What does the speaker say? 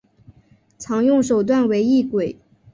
常用手段为异轨。